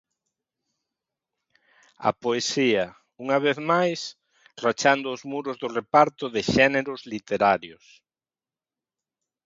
A poesía, unha vez máis, rachando os muros do reparto de xéneros literarios.